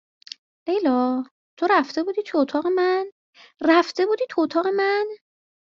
لیلا، تو رفته بودی تو اتاق من؟ رفته بودی تو اتاق من؟